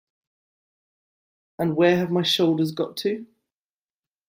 And where have my shoulders got to?